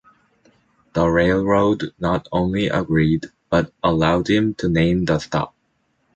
The railroad not only agreed, but allowed him to name the stop.